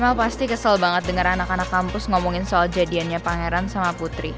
mama pasti kesel banget dengar anak anak kampus ngomongin soal jadiannya pangeran sama putri